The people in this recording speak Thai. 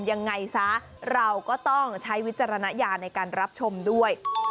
ยังไงซะเราก็ต้องใช้วิจารณญาณในการรับชมด้วย